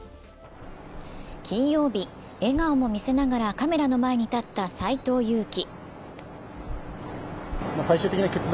金曜日、笑顔も見せながらカメラの前に立った斎藤佑樹。